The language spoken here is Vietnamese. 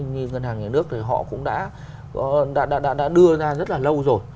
như ngân hàng nhà nước thì họ cũng đã đưa ra rất là lâu rồi